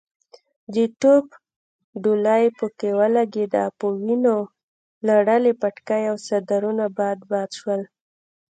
د توپ ډولۍ پکې ولګېده، په ونيو لړلي پټکي او څادرونه باد باد شول.